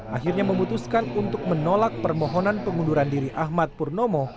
akhirnya memutuskan untuk menolak permohonan pengunduran diri ahmad purnomo